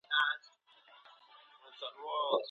ایا ملي بڼوال خندان پسته پلوري؟